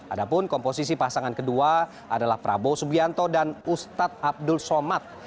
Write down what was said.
adapun komposisi pasangan kedua adalah prabowo subianto dan ustadz abdul somad